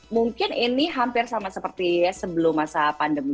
mungkin ini hampir sama seperti sebelum masa pandemi